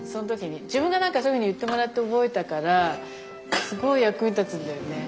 自分がそういうふうに言ってもらって覚えたからすごい役に立つんだよね。